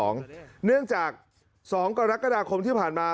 เนื่องจาก๒กรกฎาคมที่ผ่านมา